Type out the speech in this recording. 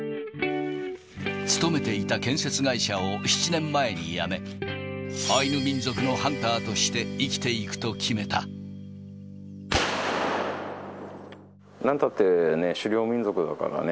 勤めていた建設会社を７年前に辞め、アイヌ民族のハンターとして、なんたってね、狩猟民族だからね。